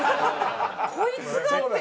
こいつが！？っていう。